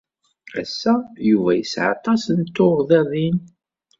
Ass-a, Yuba yesɛa aṭas n tuɣdaḍin.